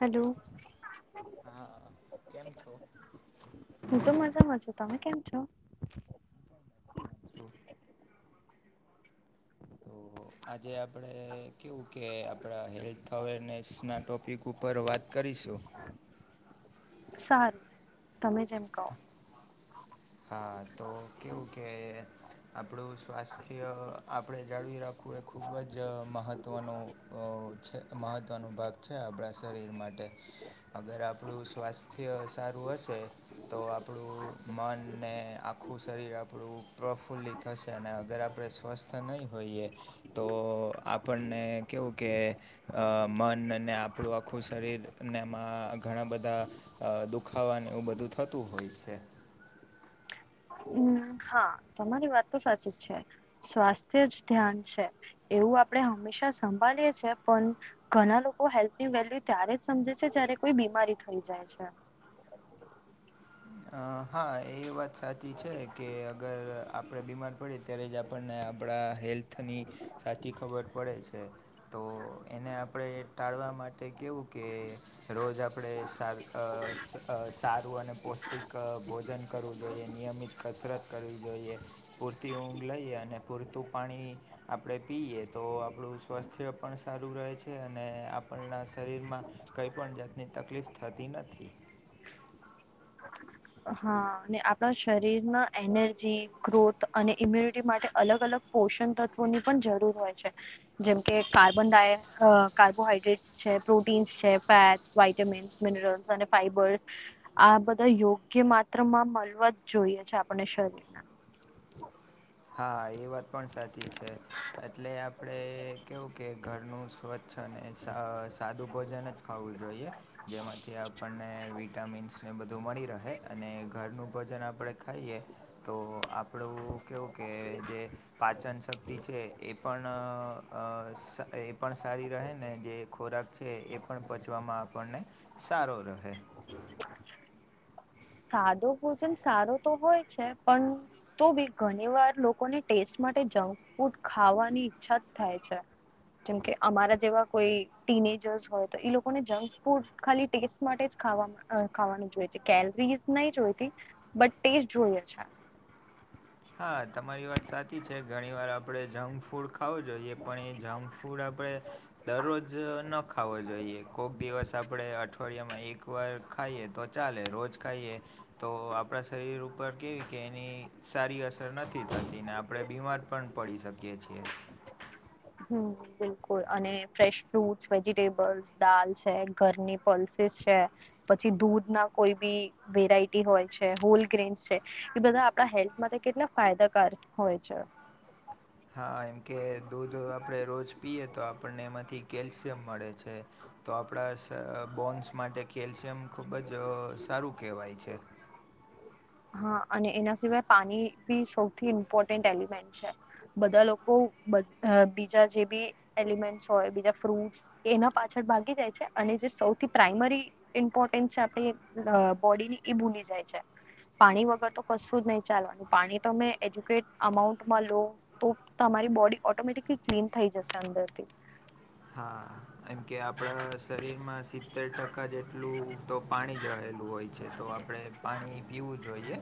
Hello હા કેમ છો? હું તો મજામાં છું તમે કેમ છો? તો આજે આપડ કેવું કે આપણા હેલ્થ અવેરનેસ ના ટોપિક ઉપર પરર વાત કરીશું. સારું તમે જેમ કહો. હા તો કેવું કે આપણું સ્વાસ્થ્ય આપણે જાળવી રાખવું એ ખૂબ જ મહત્ત્વનું. છે મહત્ત્વનો ભાગ છે આપણાં શરીર માટે. અગર આપણું સ્વાસ્થ્ય સારું હશે તો આપણું મન અને આખું શરીર આપણું પ્રફુલ્લિત થશે અને અગર આપણે સ્વસ્થ નહીં હોઈએ. તો આપણને કેવું કે અ મનને આપણું આખું શરીરને એમાં ઘણા બધા દુખાવાને એવું બધું થતું હોય છે. હમ હા તમારી વાત તો સાચી છે, સ્વાસ્થ્ય જ ધ્યાન છે. એવું આપડણે હંમેશા સંભાળીએ પણ ઘણા લોકો હેલ્થની વેલ્યુ ત્યારે જ સમજે છે જય્યારે કોઈ બીમારી થઈ જાય છે. અ હા એ વાત સાચી છે કે અગર આપડે બીમાર પડે ત્યારે જ આપણને આપણા હેલ્થની, સાચી ખબર પડે છે, તો એને આપણે ટાળવા માટે કવું કે, રોજ આપણે સાવ સારું અને પોષ ભોજન કરવું જોઈએ નિયમિત કસરત કરવી જોઈએ, પર તિ ઊંઘ લઈએ અને પૂરતું પાણી આપણે પીએ તો આપણું સ્વાસ્થ્ય પણ સારું રહે છે અને આપણના શરીરમાં. કંઈ પણ જાતની તકલીફ થતી નથી. હા આપણા શરીર ના એનર્જી ગ્રોથ અને ઇમ્યુનિટી માટે અલગ અલગ પોષણ તત્વોની પણ જરૂર હોય છે. જેમ કે કાર્બન ડાય કાર્બોહાઈડ્રેટ છે પ્રોટીન્સ છે ફેટ વાઇટમીન્સ મિનરલ્સ અને ફાઈબર્સ, આ બધા યોગ કે માત્ર માં મલવ જ જોઈએ છે આપણે શરીરના. હા એ વાત પણ સાચી છે. એટલે આપડે કેવું કે ઘરનું સ્વચ્છ અને સાદું ભોજન જ ખાવું જોઈએ. જેમાંથી આપણને વિટામિન્સને બધું મળી રહે અને ઘરનું ભોજન આપણે ખાઈએ. તો આપણું કેવું કે જે, પાચન શક્તિ છે એ પણ એ પણ સારી રહે ને જે ખોરાક છે એ પણ પચવામાં આપણને સારો રહે. સાદો ભોજન સારો તો હોય છે પણ તો ભી ઘણી વાર લોકોને ટેસ્ટ માટે જંક ફૂડ ખાવાની ઈચ્છા જ થાય છે. જેમકે અમારા જેવા કોઈ ટીનેજર્સ હોય તો એ લોકોને જંક ફૂડ ખાલી ટેસ્ટ માટે જ ખા ખાવાનું જોઈએ છે કેલરી નહી જોઈતી, બટ ટેસ્ટ જોઈએ છે. હા તમારી વાત સાચી છે ઘણી વાર આપડે જંક ફૂડ ખાવું જોઈએ પણ એ જંક ફૂડ આપણે દરરોજ ન ખાવો જોઈએ કોઈક દિવસ આપણે અઠવાડિયામાં એકવાર ખાઈએ તો ચાલે રોજ ખાઈએ, તો આપણા શરીર ઉપર કેવી કે એની સારી અસર નથી થતી ને આપણે બીમાર પણ પડી શકીએ છીએ. હમ. બિલકુલ, અને ફ્રેશ ફ્રુટસ, વેજીિટેબલ્સ, દાલ છે, ઘરની પલ્સીસ છે પછી દૂધ ના કોઈ બી વેરાઈટી હોય છે, હોલ ગ્રેન્સ છે. એ બધા આપણા હેલ્થ માટે કેટલા ફાયદાકાર હોય છે. હા, એમકે દૂધ આપડે રોજ પીયએ તો, આપણને એમાંથી કેલ્શિયમ મળે છે. તો આપણા બોન્સ માટે કેલ્શિયમ ખૂબ જ સારું કહેવાય છે. હા, અને એના સિવાય પાણી બી સૌથી ઇમ્પોર્ટન્ટ એલિમેન્ટ છે. બધા લોકો બીજા જે બી એલિમેન્ટ હોય, બીજા ફ્રુટસ એના પાછળ ભાગી જાય છે અને જે સૌથી પ્રાઈમરી ઇમ્પોટ આપ બોડી ની એ ભૂલી જાય છે. પાણી વગર તો કશું જ નહી ચાલવાનું, પાણી તોમે એજ્યુકેટ અમાઉન્ટમાં લો તો તમારી બોડી ઓટોમેટિકલી ક્લીન થઈ જશે અંદરથી. હા એમ કે, આપણા શરીરમાં સિત્તેર ટકા જેટલું તો પાણી જ રહેલું હોય છે. તો આપણે પાણી પીવું જોઈએ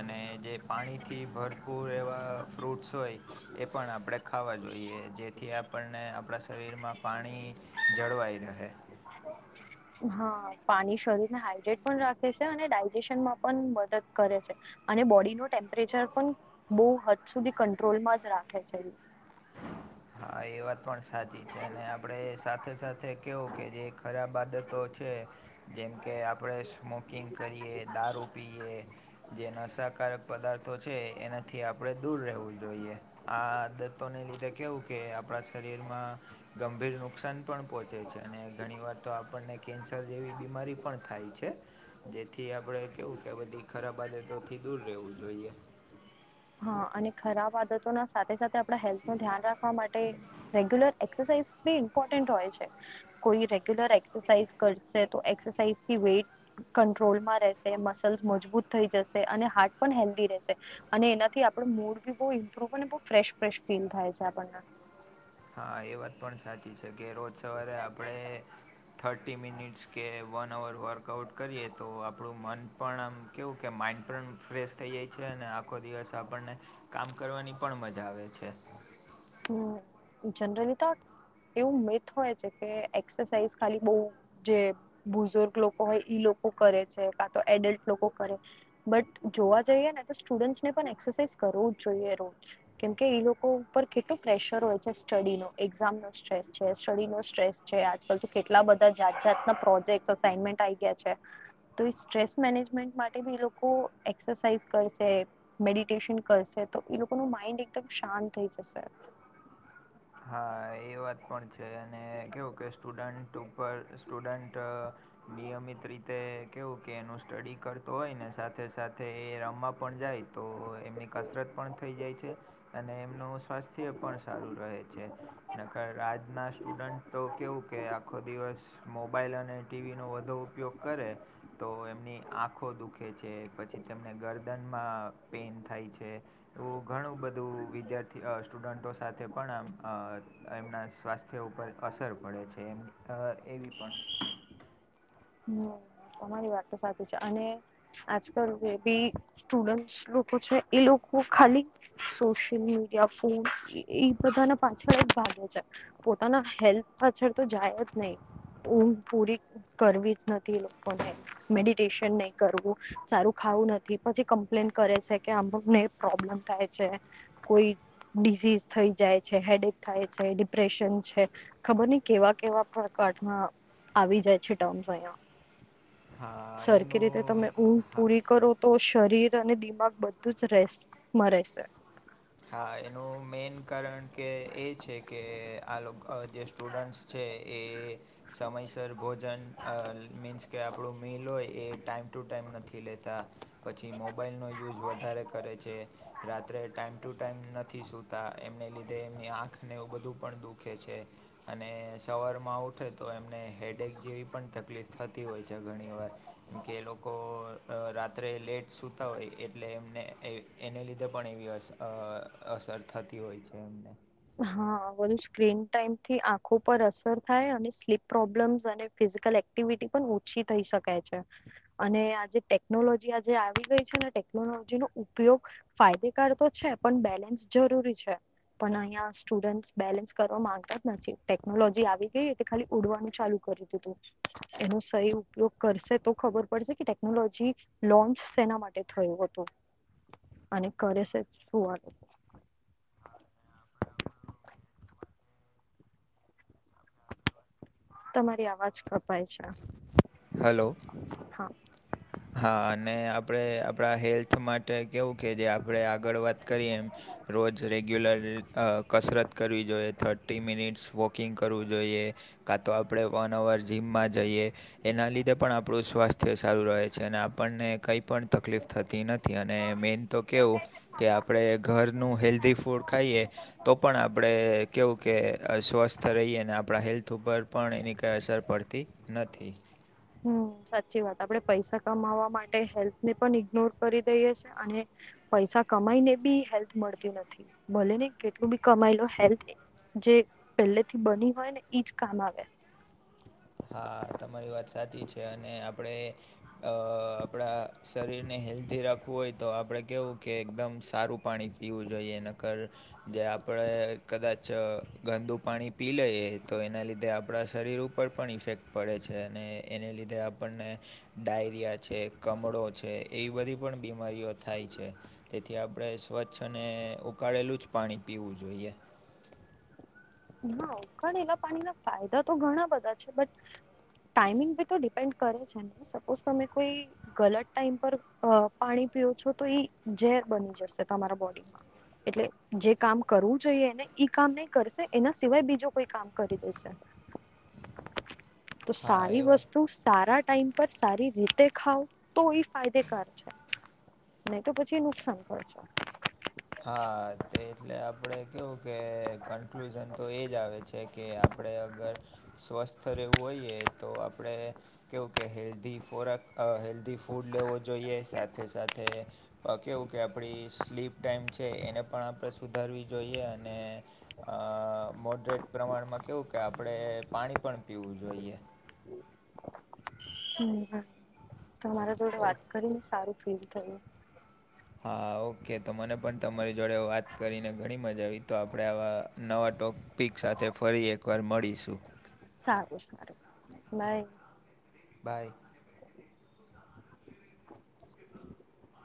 અને જે પાણીથી ભર કૂર એવા ફ્રૂટ્સ હોય, એ પણ આપણેે ખાવા જોઈએ, જેથી આપણને આપણા શરીરમાં માં પાણી જળવાઈ રહે. હા, પાણી શરીર ને હાડ્રેટ પણ રાખે છે, અને ડાયજેશનમાં પણ. કરે છે અને બોડી નું ટેમ્પરેચર પણ બહુ હદ સુધી કંટ્રોલમાં જ રાખે છે. હા, એ વાત પણ સાચી છે અને આપણે સાથે સાથે કેવું કે, જે ખરાબ આદતો છે. જેમ કે આપણેે સ્મોકિંગ કરીએ, દારૂ પીએ, જે નશા કા કારક પદાર્થો છે, એનાથી આપણે દૂર રહેવું જોઈએ. આ આદતોને લીધે કેવું? કે આપણા શરીરમાં ગંભીર નુકસાન પણ પહોંચે છે અને ઘણી વાર તો આપણને કેન્સર જેવી બીમારી પણ થાય છે, જેથી આપણે કેવું કે આ બધી ખરાબ આદત તોથી દૂર રહેવું જોઈએ. હા, અને ખરાબ આદતો ના સાથે સાથે આપણા હેલ્થ નું ધ્યાન રાખવા માટે રેગ્યુલર એક્સરસાઇઝ બી ઇમ્પોર્ટન્ટ હોય છે‌. કોઈ રેગ્યુલર એક્સરસાઇઝ કરશે તો, એક્સરસાઇઝથી વેટ કટ્રોલમાં રહેશે, મસલ્સ મજબૂત થઈ જશે અને હાર્ટ પણ હેલ્ધી રહેશે અને એના થી આપણ મૂડ બી બહુ ઇમ્પ્રુવ અને બહુ ફેશ ફેશ ફીલ થાય છે આપણને હા, એ વાત પણ સાચી છે કે રોજ સવારે આપણે થર્ટી મિનિટ્સ કે વન અવર વર્કઆઉટ કરીએ તો, આપણું મન પણ આમ કેવું કે, માઇન્ડ પણ ફ્રેશ થઈ જાય છે અને આખો દિવસ આપણને કામ કરવાની પણ મજા આવે છે. હમ, જનરલી તો એવું મેથ હોય છે કે એક્સરસાઇઝ ખાલી બ જે બુઝુર્ગ લોકો હોય, ઈ લોકો કરે છે કાં તો એડલ્ટ લોકો કરે. બટ જોવા જઈએ ને તો, સ્ટુડન્ટસ ને પણ એક્સરસાઇઝ કરવો જ જોઈએ રોજ કેમકે એ લોકો ઉપર કેટલું પ્રેશર હોય છે, સ્ટડી નો, એક્ઝામ નો સ્ટ્રેસ છે, શરીર નો સ્ટ્રેસ છે. આજકાલ તો કેટલા બધા જાત જાતના પ્રોજેક્ટ, અસાઈનમેન્ટ આવી ગયા છે. તો સ્ટ્રેસ મેનેજમેન્ટ માટે બી એ લોકો એક્સરસાઇઝ કરશે મેડિટેશન કરશે તો, એ લોકોનું માઇન્ડ એકદમ શાંત થઈ જશે. હા, એ વાત પણ છે અને કેવું કે, સ્ટુડન્ટ ઉપર સ્ટુડન્ટ. નિયમિત રીતે કેવું કે, એનું સ્ટડી કરતો હોય ને, સાથે સાથે એ રમવા પણ જાય તો એમની કસરત પણ થઈ જાય છે, અને એમનું સ્વાસ્થ્ય પણ સારું રહે. છે ને ખરાં, આજના સ્ટુડન્ટ તો કેવું કે આખો દિવસ. મોબાઈલ અને ટી વી નો વધુ ઉપયોગ કરે તો એમની આંખો દુખે છે, પછી તેમને ગરદનમાં પેન થાય છે. એવું ઘણું બધું વિદ્યાર્થી સ્ટુડન્ટો સાથે પણ આમ એમના સ્વાસ્થ્ય ઉપર અસર પડે છે એમ એવી પણ હમ્મ, તમારી વાત તો સાચી છે, અને આજકાલ જે બી સ્ટુડન્ટસ લોકો છે, એ લોકો ખાલી સોશિયલ મીડિયા, ફોન ઈ બધાના પાછળ જ ભાગે છે. પોતાના હેલ્થ પાછળ તો જાય જ નહીં, ઊંઘ પૂરી કરવી નથી લોકોને, મેડિટેશન નહીં કરવું સારું ખાવું નથી, પછી કમ્પ્લેન કરે છે કે અમને પ્રોબ્લેમ થાય છે. કોઈ ડિઝીજ થઈ જાય છે, હેડિક થાય છે, ડિપ્રેશન છે ખબર નઈ કેવા-કેવા પ્રકારના આવી જાય છે [unintelligible] અહિયાં. હા સરખી રીતે એનું તમે ઊંઘ હા પૂરી કરો તો શરીર અને દિમાગ બધું જ રહેશે મ રહેશે. હા. એનું મેન કારણ કે એ છે કે આ લોક અહ જે સ્ટુ ડન્ટ્સ છે એ સમયસર ભોજન, અહ મીન્સ કે આપણું મિલ હોય એ ટાઈમ ટુ ટાઈમ નથી લેતા. પછી મોબાઈલ નો યુઝ વધારે કરે છે, રાત્રે ટાઈમ ટુ ટાઈમ નથી સૂતા, એમને લીધે એમની આંખને એવું બધું પણ દુખે છે. અને સવારમાં ઉઠે તો એમને હેડેક જેવી પણ તકલીફ થતી હોય છે ઘણીવાર. કેમ કે એ લોકો અહ રાત્રે લેટ સુતા હોઈ એટલે એમને એ એને લીધે પણ એવી અસર અહ અસર થતી હોય છે એમને. હા. આ બધું સ્ક્રીન ટાઈમથી આંખો પર અસર થાય, અને સ્લીપ પ્રોબ્લેમ્સ, અને ફિઝિકલ એક્ટ ક્ટિવિટી પણ ઓછી થઈ શકાય છે. અને આ જે ટેકનોલોજી આજે આવી ગઈ છે ને, ટેકનોલોજીનો ઉપયોગ ફાયદેકાર તો છે, પણ બેલેન્સ જરૂરી છે, [unintelligible] ન્યા સ્ટુડન્ટ બેલેન્સ કરવા માંગતા જ નથી, ટેકનોલોજી આવી ગઈ એટલે ખાલી ઉડવાનું ચાલુ કરી દીધું. એનો સહી ઉપયોગ કરશે તો ખબર પડશે કે ટેકનોલોજી લોન્ચ શેના માટે થયું હતું, અને કરે છે શું [unintelligible] તમારી અવાજ કપાય છે. હેલો. [inaudible] હા અને આપણે આપણા હેલ્થ માટે કેવું કે જે આપણે આગળ વાત કરી એમ રોજ રેગ્યુલર અહ કસરત કરવી જોઈએ, થર્ટી મિનિટ્સ વોકિંગ કરવું જોઈએ કા તો આપણે વન અવર જીમમાં જઈએ એના લીધે પણ આપણું સ્વાસ્થ્ય સારું રહે છે, અને આપણને કંઈ પણ તકલીફ થતી નથ થી, અને મેન તો કેવું કે આપણે ઘરનું હેલ્ધી ફૂડ ખાઈએ તો પણ આપણે કેવું કે સ્વસ્થ રહીએ, અને આપણા હેલ્થ ઉપર પણ એની કાંઈ અસર પડતી નથી. હમ્મ, સાચી વાત. આપણેે પૈસા કમાવવા માટે હેલ્થને પણ ઇગ્નોર કરી દઈએ છે, અને પૈસા કમાઈ ને બી હેલ્થ મળતી નથી. ભલે ને કેટલું બી કમાયલો, હેલ્થ જે પહેલે થી બની હોય ને ઈજ કામ આવે. હા તમારી વાત સાચી છે. અને આપડે અહ આપણા શરીર ને હેલ્ધી રાખવું હોય તો આપડે કેવું કે એકદમ સારું પાણી પીવું જોઈએ, નકર જે આપણે કદાચ ગંદુ પાણી પી લઈએ, તો એના લીધે આપણા શરીર ઉપર પણ ઇફેક્ટ પડે છે, અને એને લીધે આપણને ડાયરિયા છે, કમળો છે, એવી બધી પણ બીમારીઓ થાય છે. તેથી આપણે સ્વચ્છ અને ઉકાળેલું જ પાણી પીવું જોઈએ. હા ઉકાડેલા પાણીના ફાયદા તો ઘણા બધા છે, બટ ટાઈમિંગ પે તો ડિપેન્ડ કરે છે, ને સપોઝ તમે કોઈ ગલત ટાઈમ પર અહ પાણી પીઓ છો તો ઈ ઝેર બની જશે તમારા બોડીમાં. એટલે જે કામ કરવું જોઈએ એને ઈ કામ નહીં કરશે, એના સિવાય બીજુ કોઈ કામ કરી દેશે. તો હા સારી એ વાત વસ્તુ સારા ટાઈમ પર સારી રીતે ખાવ તો એ ફાયદેકાર છે. નહી તો પછી નુકસાન કરે છે. હા તે એટલે આપડે કેવું કે કન્ક્લુઝન તો એજ આવે છે. કે આપડે અગર સ્વસ્થ રહેવું હોઈએ તો આપણે કેવું કે હેલ્ધી ખોરાક અ હેલ્ધી ફૂડ લેવો જોઈએ સાથે સાથે અ કેવું કે આપણી સ્લીપ ટાઈમ છે, એને પણ આપણે સુધારવી જોઈએ અને અ મોડરેટ પ્રમાણમાં કેવું કે આપણેે પાણી પણ પીવું જોઈએ [inaudible] હમ તમારા જોડે વાત ઓકે કરીને સારું ફીલ થયું હા ઓકે તો મને પણ તમારી જોડે વાત કરીને ઘણી મજા આવી તો આપણે આવા નવા ટો પિક સાથે ફરી એકવાર મળીશું સારું સારું બાય બાય. [inaudible]